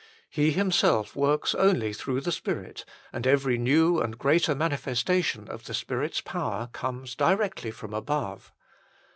He Himself works only through the Spirit, and every new and greater manifestation of the Spirit s power comes directly from ABOVE.